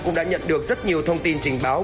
cũng đã nhận được rất nhiều thông tin trình báo